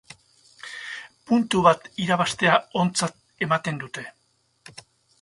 Puntu bat irabaztea ontzat ematen dute.